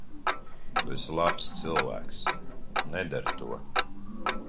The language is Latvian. Tu esi labs cilvēks. Nedari to.